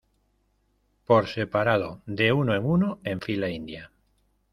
por separado. de uno en uno, en fila india .